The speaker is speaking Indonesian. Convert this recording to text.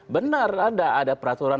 benar ada peraturan